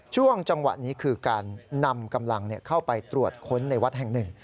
ช่วงจังหวะนี้คือการนำกำลังเข้าไปตรวจค้นในวัดแห่งหนึ่ง